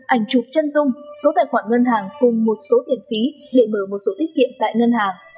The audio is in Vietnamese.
ảnh chụp chân dung số tài khoản ngân hàng cùng một số tiền phí để mở một số tiết kiệm tại ngân hàng